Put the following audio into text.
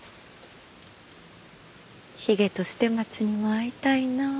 繁と捨松にも会いたいなあ。